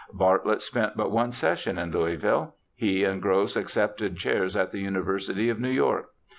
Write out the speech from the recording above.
Bartlett spent but one session in Louisville. He and Gross accepted chairs in the University of New York.